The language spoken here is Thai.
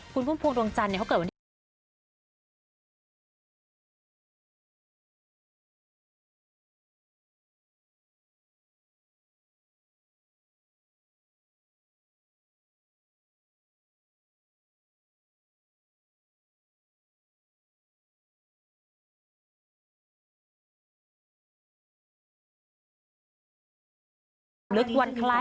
คุณพุ่มพวงดวงจันทร์เขาเกิดวันที่๑๕